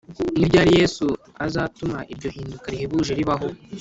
Ni ryari Yesu azatuma iryo hinduka rihebuje ribaho